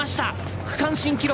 区間新記録！